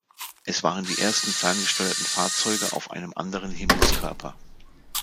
Es waren die ersten ferngesteuerten Fahrzeuge auf einem anderen Himmelskörper.